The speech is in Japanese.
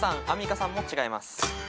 アンミカさんも違います。